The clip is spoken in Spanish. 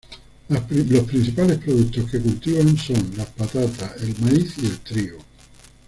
Los principales productos que cultivan son las patatas, el maíz y el trigo.